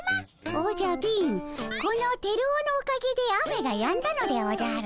おじゃ貧このテルオのおかげで雨がやんだのでおじゃる。